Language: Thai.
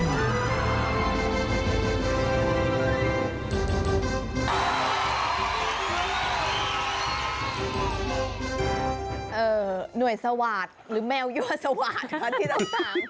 หน่วยสวาสวาสตร์หรือแมวยั่วสวาสตคะที่ต้องตาม